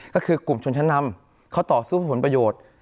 ก็คือกลุ่มชนชั้นนำเขาต่อสู้เพื่อผลประโยชน์